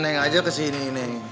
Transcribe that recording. neng aja kesini neng